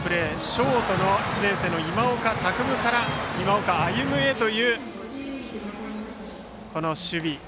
ショートの１年生の今岡拓夢から今岡歩夢へという守備。